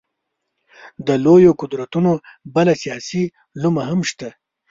د لویو قدرتونو بله سیاسي لومه هم شته.